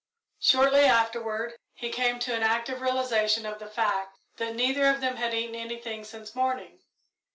Shortly afterward he came to an active realisation of the fact that neither of them had eaten anything since morning.